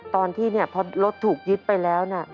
ตอนที่พอรถถูกยึดไปแล้ว